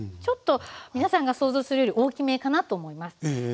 ちょっと皆さんが想像するより大きめかなと思います。